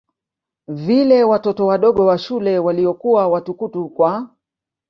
vile watoto wadogo wa shule waliokuwa watukutu kwa